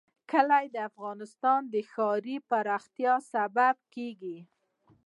کلي د افغانستان د ښاري پراختیا سبب کېږي.